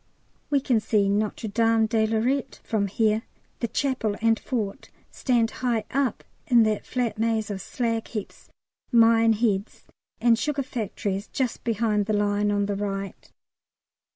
We can see Notre Dame de Lorette from here; the Chapel and Fort stand high up in that flat maze of slag heaps, mine heads, and sugar factories just behind the line on the right.